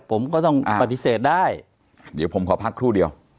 ผมก็ต้องปฏิเสธได้